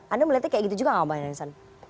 anda melihatnya kayak gitu juga gak pak yansen